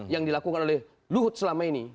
yang dilakukan oleh luhut selama ini